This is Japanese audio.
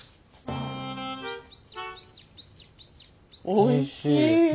おいしい。